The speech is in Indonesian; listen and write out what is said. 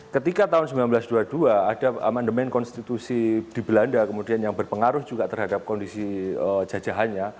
ketika tahun seribu sembilan ratus dua puluh dua ada amandemen konstitusi di belanda kemudian yang berpengaruh juga terhadap kondisi jajahannya